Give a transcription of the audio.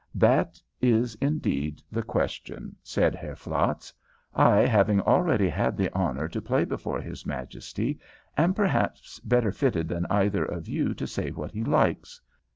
"That is indeed the question," said Herr Flatz. "I, having already had the honor to play before his Majesty, am perhaps better fitted than either of you to say what he likes.